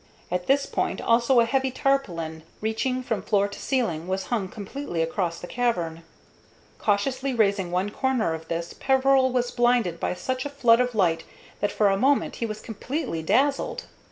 At this point also a heavy tarpaulin, reaching from floor to ceiling, was hung completely across the cavern. Cautiously raising one corner of this, Peveril was blinded by such a flood of light that for a moment he was completely dazzled.